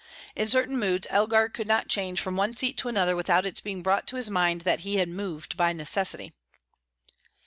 In certain moods Elgar could not change from one seat to another without its being brought to his mind that he had moved by necessity.